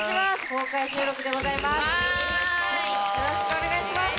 よろしくお願いします！